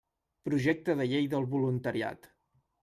Projecte de llei del voluntariat.